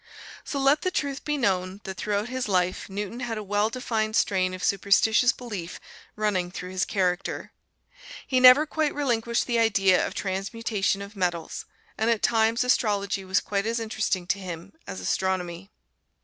So let the truth be known that throughout his life Newton had a well defined strain of superstitious belief running through his character. He never quite relinquished the idea of transmutation of metals, and at times astrology was quite as interesting to him as astronomy.